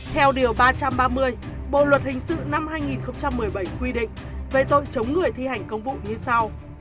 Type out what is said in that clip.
theo điều ba trăm ba mươi bộ luật hình sự năm hai nghìn một mươi bảy quy định về tội chống người thi hành công vụ như sau